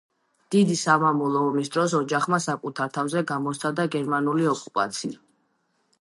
დიდი სამამულო ომის დროს ოჯახმა საკუთარ თავზე გამოსცადა გერმანული ოკუპაცია.